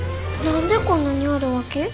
何でこんなにあるわけ？